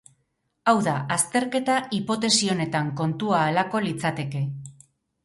Hau da, azterketa hipotesi honetan kontua halakoa litzateke.